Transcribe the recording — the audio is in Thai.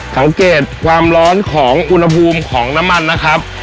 สังเกตความร้อนของอุณหภูมิของน้ำมันนะครับ